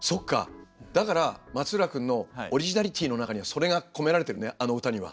だから松浦君のオリジナリティーの中にはそれが込められてるねあの歌には。